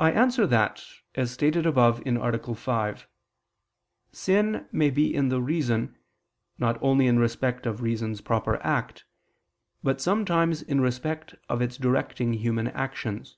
I answer that, As stated (A. 5), sin may be in the reason, not only in respect of reason's proper act, but sometimes in respect of its directing human actions.